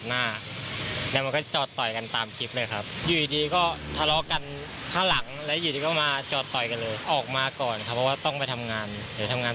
น่าจะเข้าไปฮะ